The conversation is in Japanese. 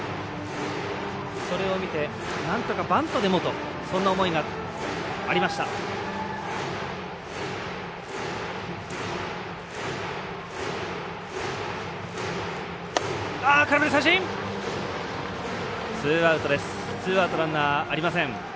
それを見てなんとかバントでもというそんな思いがありました。